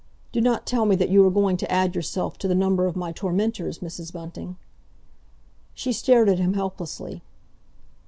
Do not tell me that you are going to add yourself to the number of my tormentors, Mrs. Bunting?" She stared at him helplessly.